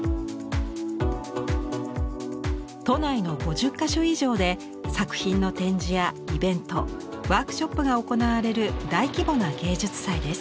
都内の５０か所以上で作品の展示やイベントワークショップが行われる大規模な芸術祭です。